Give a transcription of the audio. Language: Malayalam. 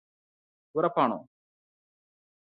ഉറപ്പാണോ